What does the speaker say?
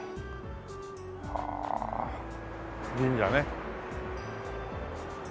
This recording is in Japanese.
はあ神社ね。